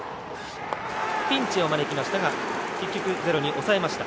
ピンチを招きましたが結局ゼロに抑えました。